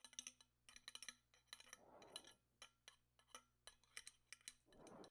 Estos bosques son propicios para el estudio, atractivo paisajístico y refugio de fauna.